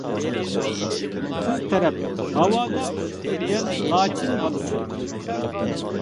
قىز تەرەپ: ھاۋادا ئۇچۇپ يۈرگەن، لاچىن بالىسى.